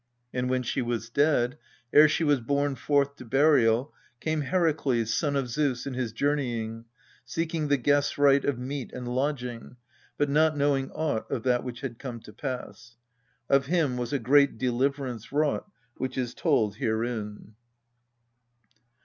And when she was dead, ere she was borne forth to burial, came Herakles, son of Zeus, in his journeying, seeking the guest's right of meat and lodging, but not knowing aught of that which had come to pass. Of him was a great deliverance wrought, which is told herein.